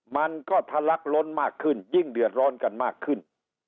มันก็ทะลักล้นมากขึ้นยิ่งเดือดร้อนกันมากขึ้น